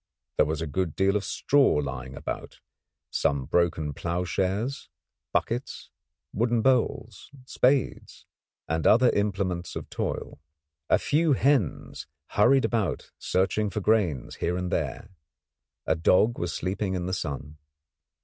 There was a good deal of straw lying about, some broken ploughshares, buckets, wooden bowls, spades, and other implements of toil. A few hens hurried about searching for grains here and there; a dog was sleeping in the sun.